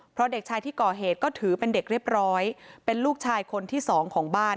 เพราะเด็กชายที่ก่อเหตุก็ถือเป็นเด็กเรียบร้อยเป็นลูกชายคนที่สองของบ้าน